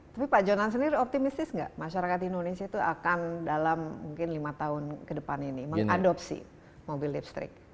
tapi pak jonan sendiri optimistis nggak masyarakat indonesia itu akan dalam mungkin lima tahun ke depan ini mengadopsi mobil listrik